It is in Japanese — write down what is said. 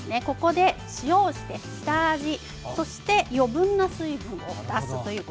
塩をして下味余分な水分を出します。